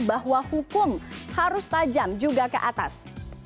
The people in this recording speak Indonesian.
bahwa hukum harus tajam juga ke atas